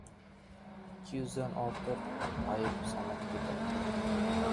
Ikki yuzdan ortiq ayb sanab ketar.